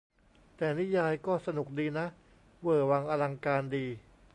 แต่นิยายก็สนุกดีนะ เวอร์วังอลังการดี